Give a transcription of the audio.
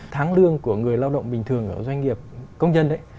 tháng lương của người lao động bình thường ở doanh nghiệp công nhân